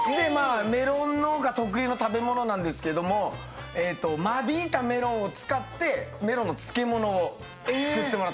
メロン農家特有の食べ物なんですけども間引いたメロンを使ってメロンの漬物を作ってもらってましたね。